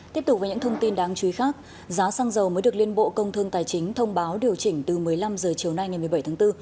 tiếp tục với những thông tin đáng chú ý khác giá xăng dầu mới được liên bộ công thương tài chính thông báo điều chỉnh từ một mươi năm h chiều nay ngày một mươi bảy tháng bốn